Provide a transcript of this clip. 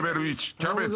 キャベツ。